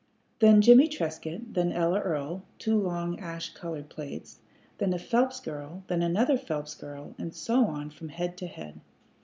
Then Jimmie Trescott, then Ella Earl (two long ash colored plaits), then a Phelps girl, then another Phelps girl; and so on from head to head.